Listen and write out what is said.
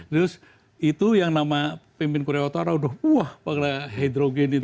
terus itu yang nama pimpin korea wattara wah panggilan hidrogen itu